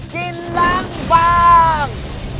กินล้างบาง